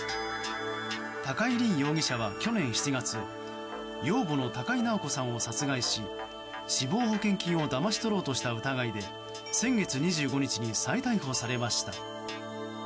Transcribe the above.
高井凜容疑者は去年７月養母の高井直子さんを殺害し死亡保険金をだまし取ろうとした疑いで先月２５日に再逮捕されました。